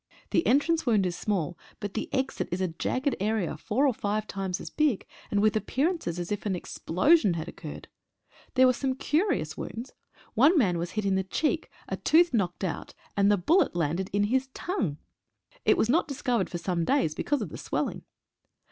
The entrance wound is small, but the exit is a jagged area four or five times as big, and with appearances as if an explosion had oc curred. There were some curious wounds. One man was hit in the cheek, a tooth knocked out, and the bullet landed in his tongue. It was not discovered for some days because of the swelling.